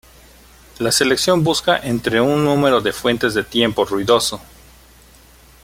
La selección busca entre un número de fuentes de tiempo ruidoso.